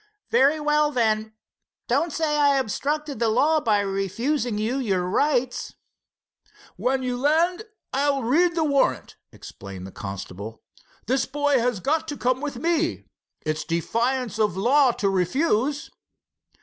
"Very well, then don't say I obstructed the law by refusing you your rights." "When you land I'll read the warrant," explained the constable. "This boy has got to come with me. It's defiance of law to refuse."